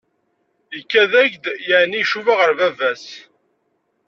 Ikad-ak-d yeεni icuba ɣer baba-s?